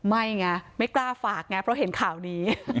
ไม่ไงไม่กล้าฝากไงเพราะเห็นข่าวนี้